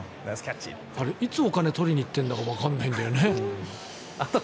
あれいつお金取りに行ってるのかわからないんだよね。